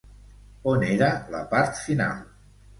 On era la part final?